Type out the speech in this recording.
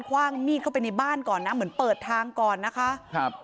ว่างมีดเข้าไปในบ้านก่อนนะเหมือนเปิดทางก่อนนะคะครับ